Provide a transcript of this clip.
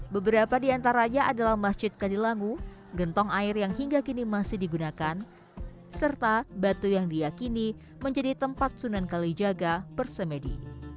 beberapa diantaranya adalah masjid kadilangu gentong air yang hingga kini masih digunakan serta batu yang diakini menjadi tempat sunan kalijaga bersemedi